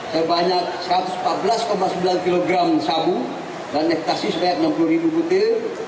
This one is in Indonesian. sebanyak satu ratus empat belas sembilan kg sabu dan ekstasi sebanyak enam puluh ribu butir